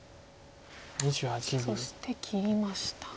そして切りました。